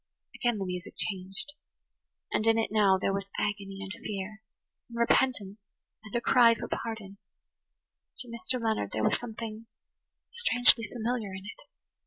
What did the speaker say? Again the music changed. And in it now there was agony and fear–and repentance and a cry for pardon. To Mr. Leonard there was something strangely familiar in it.